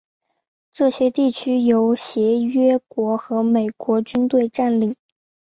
这些地区由协约国和美国军队占领。